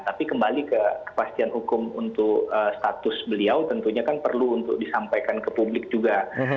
tapi kembali ke kepastian hukum untuk status beliau tentunya kan perlu untuk disampaikan ke publik juga